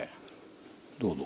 どうぞ。